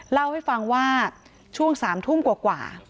เล่าให้ฟังว่าช่วง๓ทุ่มกว่า